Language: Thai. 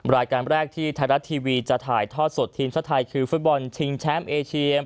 รายการแรกที่ไทยรัฐทีวีจะถ่ายทอดสดทีมชาติไทยคือฟุตบอลชิงแชมป์เอเชีย